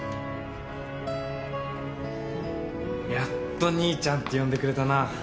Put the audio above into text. やっと「兄ちゃん」って呼んでくれたな。